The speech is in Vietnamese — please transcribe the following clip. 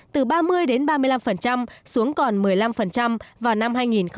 từ ba mươi đến ba mươi năm xuống còn một mươi năm vào năm hai nghìn một mươi tám